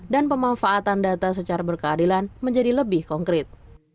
dan pemanfaatan data secara berkeadilan menjadi lebih konkret